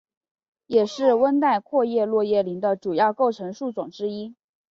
也是温带阔叶落叶林的主要构成树种之一。